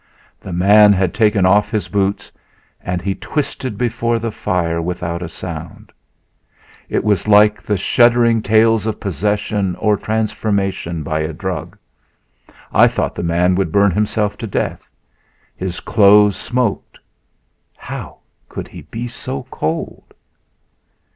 The man had taken off his boots and he twisted before the fire without a sound. It was like the shuddering tales of possession or transformation by a drug. I thought the man would burn himself to death. His clothes smoked. How could he be so cold?